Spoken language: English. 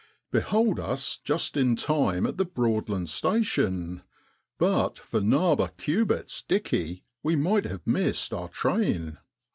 Behold us, just in time at the Broadland Station but for ' narber ' Cubitt's 1 dickey,' we might have missed our train.